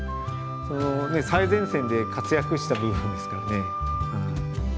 最前線で活躍した部分ですからね。